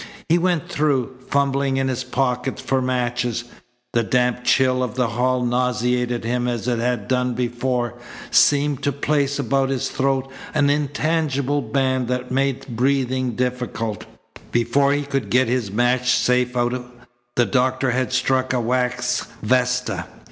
He went through, fumbling in his pocket for matches. The damp chill of the hall nauseated him as it had done before, seemed to place about his throat an intangible band that made breathing difficult. Before he could get his match safe out the doctor had struck a wax vesta.